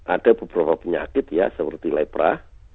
ada beberapa penyakit ya seperti lepra